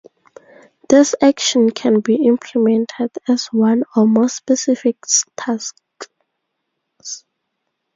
This action can be implemented as one or more specific tasks.